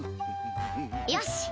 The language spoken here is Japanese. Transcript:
よし！